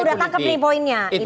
kita sudah tangkap nih poinnya